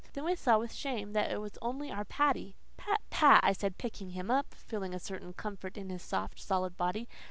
Then we saw with shame that it was only our Paddy. "Pat, Pat," I said, picking him up, feeling a certain comfort in his soft, solid body.